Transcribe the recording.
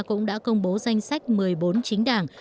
cũng đã công bố danh sách một mươi bốn chính đảng